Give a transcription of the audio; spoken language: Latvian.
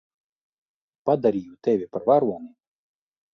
Padarīju tevi par varoni.